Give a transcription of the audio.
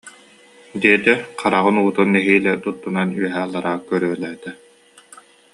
диэтэ, хараҕын уутун нэһиилэ туттунан үөһэ-аллара көрүөлээтэ